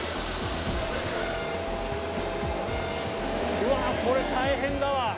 うわー、これ、大変だわ。